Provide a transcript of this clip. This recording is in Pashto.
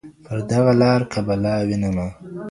پر دغه لاره كه بلا ويـنمه